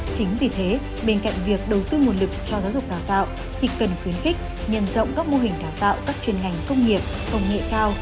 chính vì thế bên cạnh việc đầu tư nguồn lực cho giáo dục đào tạo thì cần khuyến khích nhân rộng các mô hình đào tạo các chuyên ngành công nghiệp công nghệ cao